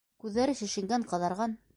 Күҙҙәре шешенгән, ҡыҙарған.